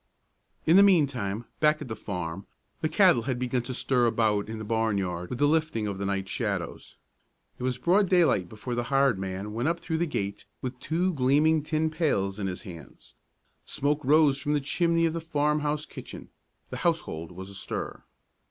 In the mean time, back at the farm the cattle had begun to stir about in the barnyard with the lifting of the night shadows. It was broad daylight before the hired man went up through the gate with two gleaming tin pails in his hands. Smoke rose from the chimney of the farmhouse kitchen; the household was astir.